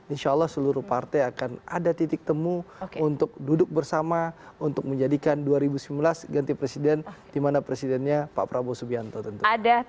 insya allah seluruh partai akan ada titik temu untuk duduk bersama untuk menjadikan dua ribu sembilan belas ganti presiden di mana presidennya pak prabowo subianto tentu